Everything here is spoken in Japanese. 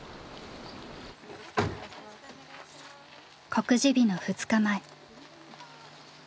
告示日の２日前。